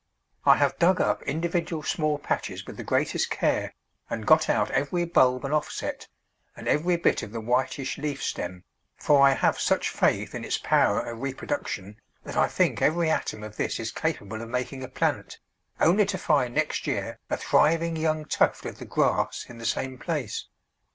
I have dug up individual small patches with the greatest care, and got out every bulb and offset, and every bit of the whitish leaf stem, for I have such faith in its power of reproduction that I think every atom of this is capable of making a plant, only to find next year a thriving young tuft of the "grass" in the same place.